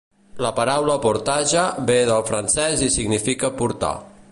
La paraula "portage" ve del francès i significa "portar".